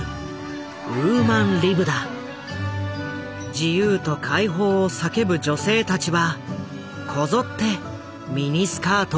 自由と解放を叫ぶ女性たちはこぞってミニスカートをはいた。